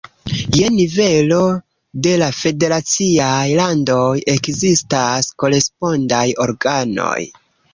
Je nivelo de la federaciaj landoj ekzistas korespondaj organoj.